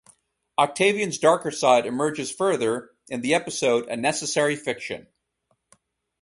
Octavian's darker side emerges further in the episode "A Necessary Fiction".